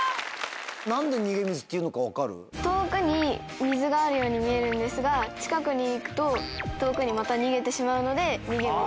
遠くに水があるように見えるんですが近くに行くと遠くにまた逃げてしまうので逃げ水。